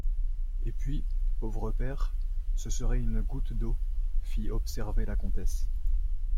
Et puis, pauvre père, ce serait une goutte d'eau, fit observer la comtesse.